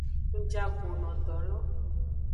Ngjago no do lo.